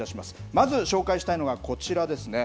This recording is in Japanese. まず紹介したいのはこちらですね。